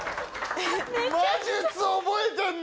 魔術覚えてるの？